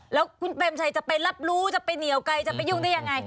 แล้วคุณเปรมชัยจะไปรับรู้จะไปเหนียวไกลจะไปยุ่งได้ยังไง